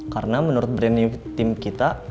karena menurut brand new team kita